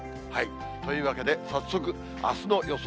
というわけで、早速、あすの予想